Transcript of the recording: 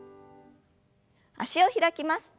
脚を開きます。